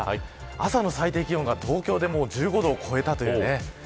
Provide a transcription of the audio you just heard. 朝の最低気温が、東京でも１５度を超えたという。